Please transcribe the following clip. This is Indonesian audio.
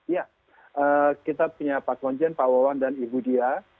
ya kita punya pak konjen pak wawan dan ibu dia